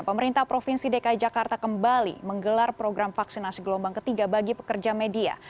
pemerintah provinsi dki jakarta kembali menggelar program vaksinasi gelombang ketiga bagi pekerja media